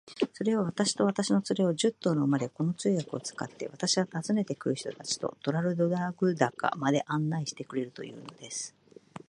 それは、私と私の連れを、十頭の馬で、この通訳を使って、私は訪ねて来る人たちとトラルドラグダカまで案内してくれるというのです。